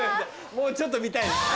もうちょっと見たいです。